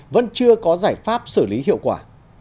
vẫn chưa có giải pháp xử lý hiệu quả